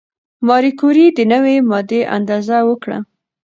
ماري کوري د نوې ماده اندازه وکړه.